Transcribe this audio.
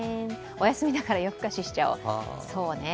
お休みだから夜ふかししちゃおう。